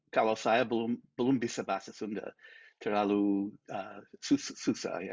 kalau saya belum bisa bahasa sunda terlalu susah ya